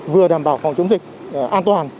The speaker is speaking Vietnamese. vừa đảm bảo phòng chống dịch an toàn